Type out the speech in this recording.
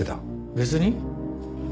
別に。